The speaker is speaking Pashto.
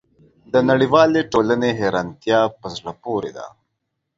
د نړیوالې ټولنې حیرانتیا په زړه پورې ده.